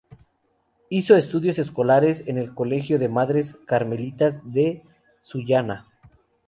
Hizo estudios escolares en el colegio de madres carmelitas de Sullana.